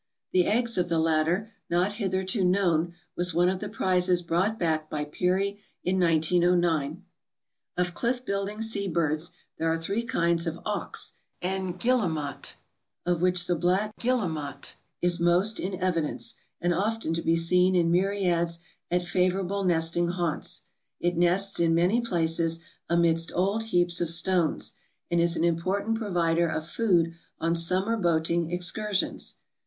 The eggs of the latter, not hitherto known, was one of the prizes brought back by Peary in 1909. Of cliff building sea birds there are three kinds of auks and guillemots, of which the black guillemot is most in evi dence, and often to be seen in myriads at favorable nesting haunts. It nests in many places amidst old heaps of stones, and is an important provider of food on summer boating ex cursions.